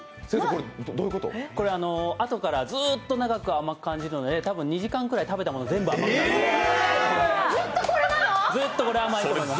これ、あとからずーっと長く甘く感じるのでたぶん２時間くらい食べたもの全部甘くなります。